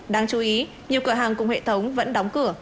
đáng chú ý nhiều cửa hàng cùng hệ thống vẫn đóng cửa